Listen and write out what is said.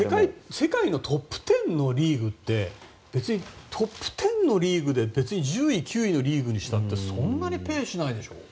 世界のトップ１０のリーグって別にトップ１０のリーグで別に１０位９位のリーグにしたってそんなにペイしないでしょ。